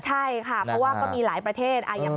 ใช่ค่ะเพราะว่าก็มีหลายประเทศ